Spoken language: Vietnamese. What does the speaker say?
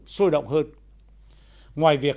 sôi động hơn ngoài việc